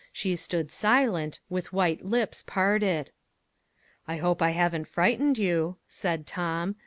She stood silent, with white lips parted. "I hope I haven't frightened you," said Tom.